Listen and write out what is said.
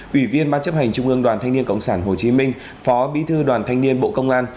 ủy viên ban chấp hành trung ương đoàn thanh niên cộng sản hồ chí minh phó bí thư đoàn thanh niên bộ công an